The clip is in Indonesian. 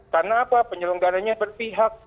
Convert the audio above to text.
karena apa penyelenggaranya berpihak